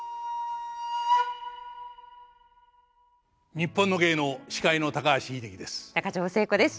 「にっぽんの芸能」司会の高橋英樹です。